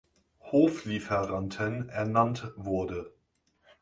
Hoflieferanten ernannt wurde.